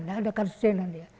tidak ada kabudanan